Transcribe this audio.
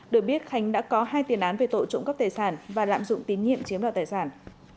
được biết khánh đã có hai tiền án về tổ trụng cấp tài sản và lạm dụng tín nhiệm chiếm vào tài sản